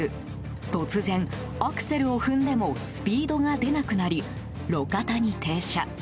突然、アクセルを踏んでもスピードが出なくなり路肩に停車。